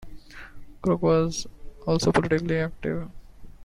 Kroc was also politically active.